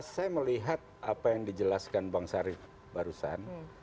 saya melihat apa yang dijelaskan bang syarif barusan